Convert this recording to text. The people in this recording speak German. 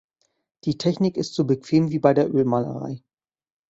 Die Technik ist so bequem wie bei der Ölmalerei.